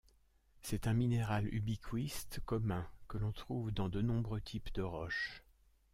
C'est un minéral ubiquiste commun, que l'on trouve dans de nombreux types de roches.